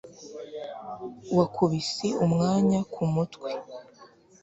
wakubise umwanya kumutwe